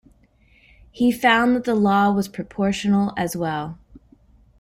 He found that the law was proportional as well.